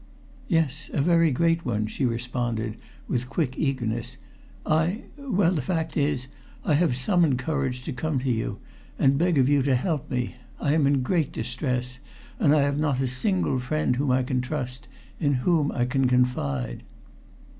"Yes. A very great one," she responded with quick eagerness, "I well the fact is, I have summoned courage to come to you and beg of you to help me. I am in great distress and I have not a single friend whom I can trust in whom I can confide."